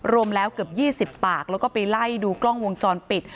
รวมแล้วเกือบ๒๐ปากแล้วก็ไปไล่ดูกล้องวงจรปิด